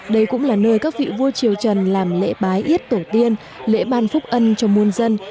đây cũng là nơi các vị vua triều trần làm lễ bái ít tổ tiên lễ ban phúc ân cho môn dân